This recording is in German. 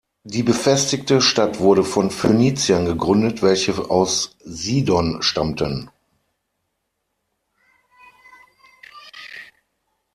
Die befestigte Stadt wurde von Phöniziern gegründet, welche aus Sidon stammten.